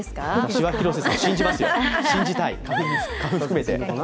私は広瀬さんを信じますよ、信じたい、花粉を含めて。